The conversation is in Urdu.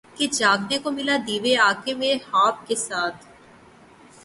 کہ جاگنے کو ملا دیوے آکے میرے خواب کیساتھ